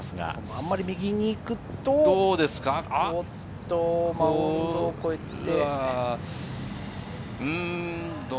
あんまり右に行くと、マウンドを越えて。